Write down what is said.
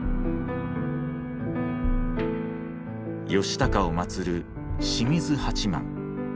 義高を祭る清水八幡。